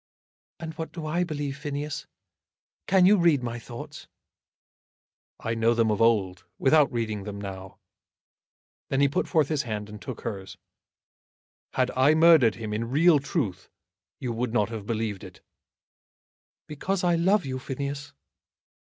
"And what do I believe, Phineas? Can you read my thoughts?" "I know them of old, without reading them now." Then he put forth his hand and took hers. "Had I murdered him in real truth, you would not have believed it." "Because I love you, Phineas."